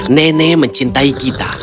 nenek mencintai gita